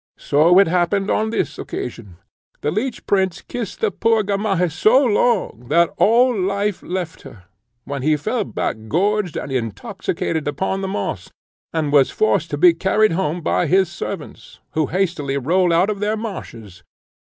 So it happened on this occasion: the Leech Prince kissed the poor Gamaheh so long, that all life left her, when he fell back gorged and intoxicated upon the moss, and was forced to be carried home by his servants, who hastily rolled out of their marshes.